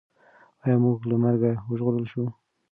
ایا موږ له مرګه وژغورل شوو؟